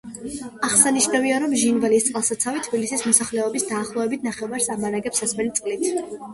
აღსანიშნავია, რომ ჟინვალის წყალსაცავი თბილისის მოსახლეობის დაახლოებით ნახევარს ამარაგებს სასმელი წყლით.